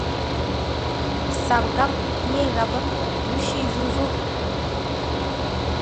SAP ghap yé ghapə́; pǔshí ju zô.